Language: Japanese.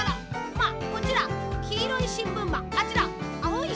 まあこちらきいろいしんぶんマンあちらあおいしんぶんマン。